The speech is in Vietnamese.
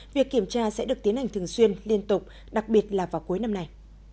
việc kiểm tra sẽ được tiến hành thường xuyên liên tục đặc biệt là vào cuối năm này